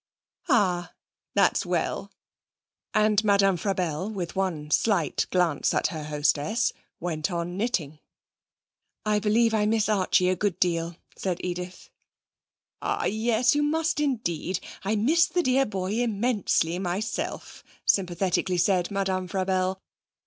'Ah, that's well,' and Madame Frabelle, with one slight glance at her hostess, went on knitting. 'I believe I miss Archie a good deal,' said Edith. 'Ah, yes, you must indeed. I miss the dear boy immensely myself,' sympathetically said Madame Frabelle.